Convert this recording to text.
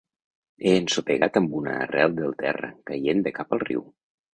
He ensopegat amb una arrel del terra, caient de cap al riu.